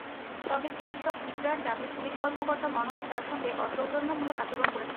তবে চিকিৎসক ইকরার দাবি, পুলিশ কর্মকর্তা মনোজ তাঁর সঙ্গে অসৌজন্যমূলক আচরণ করেছেন।